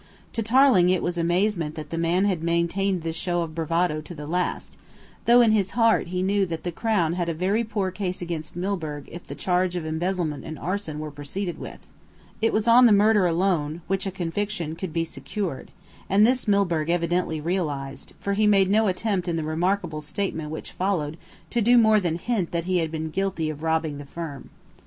To Tarling it was amazing that the man had maintained this show of bravado to the last, though in his heart he knew that the Crown had a very poor case against Milburgh if the charge of embezzlement and arson were proceeded with. It was on the murder alone that a conviction could be secured; and this Milburgh evidently realised, for he made no attempt in the remarkable statement which followed to do more than hint that he had been guilty of robbing the firm.